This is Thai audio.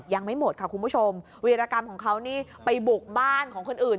ยังไม่หมดค่ะคุณผู้ชมวีรกรรมของเขานี่ไปบุกบ้านของคนอื่น